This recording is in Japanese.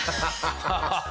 ハハハハ！